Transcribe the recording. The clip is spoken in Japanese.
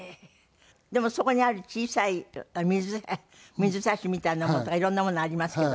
でもそこにある小さい水差しみたいなものとか色んなものありますけど。